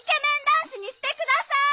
男子にしてください！